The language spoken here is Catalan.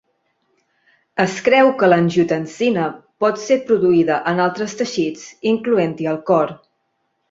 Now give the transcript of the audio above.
Es creu que l'angiotensina pot ser produïda en altres teixits, incloent-hi el cor.